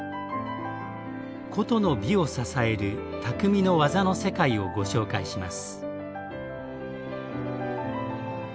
古都の美を支える「匠の技の世界」をご紹介します。